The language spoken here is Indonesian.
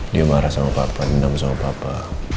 dia marah sama papa dendam sama papa